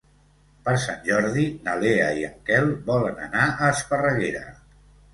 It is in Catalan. Per Sant Jordi na Lea i en Quel volen anar a Esparreguera.